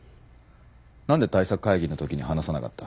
何で対策会議のときに話さなかった？